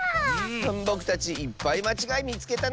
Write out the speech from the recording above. ぼくたちいっぱいまちがいみつけたね！